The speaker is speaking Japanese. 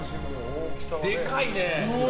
でかいね。